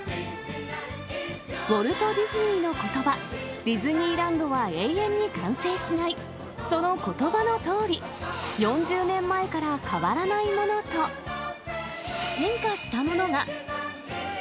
ウォルト・ディズニーのことば、ディズニーランドは永遠に完成しない、そのことばのとおり、４０年前から変わらないものと、進化したものが。